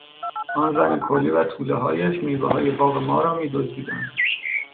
آن زن کولی و تولههایش میوههای باغ ما را میدزدیدند.